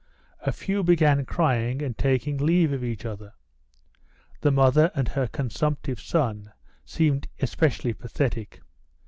A few began crying and taking leave of each other. The mother and her consumptive son seemed especially pathetic.